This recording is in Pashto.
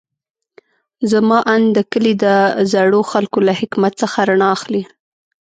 زما اند د کلي د زړو خلکو له حکمت څخه رڼا اخلي.